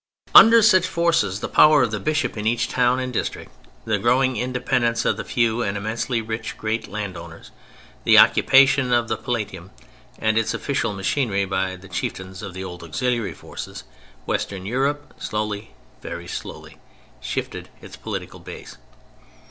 Under such forces—the power of the Bishop in each town and district, the growing independence of the few and immensely rich great landowners, the occupation of the Palatium and its official machinery by the chieftains of the old auxiliary forces—Western Europe, slowly, very slowly, shifted its political base.